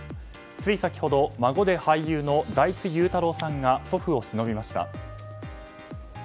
つい先ほど孫で俳優の財津優太郎さんが祖父をしのびました。